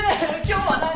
今日は何？